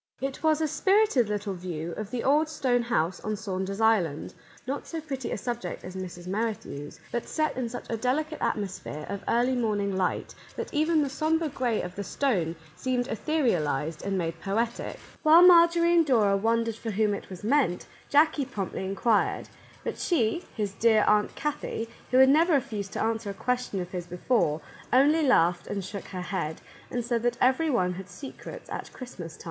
It was a spirited little view of the old stone house on Saunder's Island ; not so pretty a subject as Mrs. Merrithew's, but set in such a delicate atmosphere of early morning light that even the sombre gray of the stone seemed etherialized and made poetic. While Marjorie and Dora wondered for whom it was meant, Jackie promptly inquired, — but she, his dear Aunt Kathie, who had never refused to answer question of his before, only laughed and shook her head, and said that every one had secrets at Christmas time.